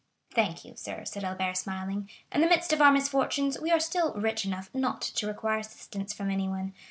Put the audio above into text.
"Thank you, sir," said Albert, smiling. "In the midst of our misfortunes, we are still rich enough not to require assistance from anyone.